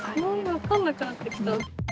分かんなくなってきた。